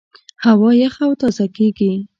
هوا یخه او تازه کېږي.